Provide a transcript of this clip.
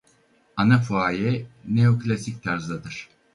Ana fuaye neo-klasik tarzdadır.